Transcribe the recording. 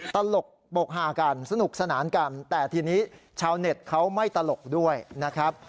ตลกบกหากันสนุกสนานกันแต่ทีนี้ชาวเน็ตเขาไม่ตลกด้วยนะครับ